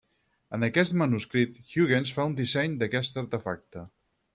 En aquest manuscrit, Huygens fa un disseny d'aquest artefacte.